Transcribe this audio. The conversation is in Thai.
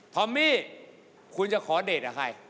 อมมี่คุณจะขอเดทกับใคร